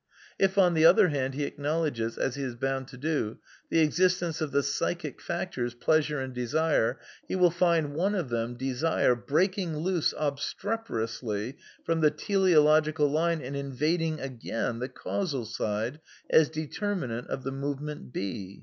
If, on t hft ntlj^ r hs\j\A^ he acknowledges — as he is bound to do — the existence of the psychic factors, pleasure and desire, he will find one of them, desire, breaking loose obstreperously from the teleological line and invading (again I) the causal side as determinant of the movement b.